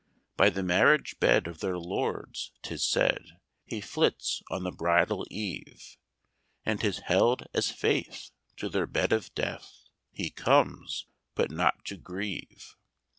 By the marriage bed of their lords, 'tis said, He flits on the bridal eve; And 'tis held as faith, to their bed of death, He comes but not to grieve.